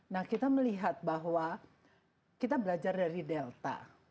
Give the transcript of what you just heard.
nah kita melihat bahwa kita belajar dari delta